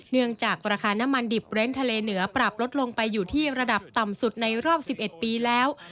เนื่องจากราคาน้ำมันดิบเร้นทะเลเหนือปรับลดลงไปอยู่ที่ระดับต่ำสุดในรอบ๑๑ปีแล้ว